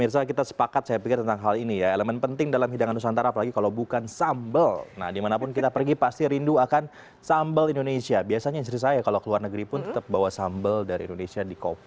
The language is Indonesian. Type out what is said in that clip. sampai jumpa di video selanjutnya